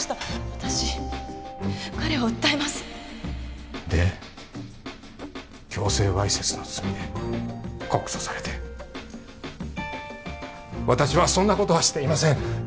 私彼を訴えますで強制わいせつの罪で告訴されて私はそんなことはしていません